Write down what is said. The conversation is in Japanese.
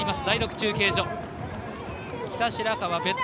第６中継所。